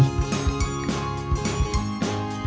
perpustakaan kantor pusat bank indonesia